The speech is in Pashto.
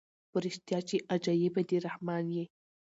په ریشتیا چي عجایبه د رحمان یې